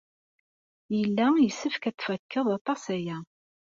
Yella yessefk ad t-tfakeḍ aṭas aya.